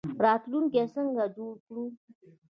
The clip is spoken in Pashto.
راتلونکی څنګه جوړ کړو؟